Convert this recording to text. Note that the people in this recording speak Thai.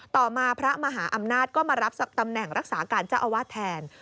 ต่อมาพระมหาอำนาจก็มารับตำแหน่งรักษาการเจ้าอาวาสแทน